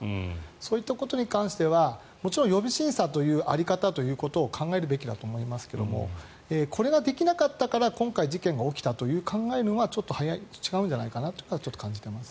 そういったことに関しては予備審査ということの在り方を考えるべきだと思いますがこれができなかったから今回、事件が起きたとはちょっと違うんじゃないかなとは感じてます。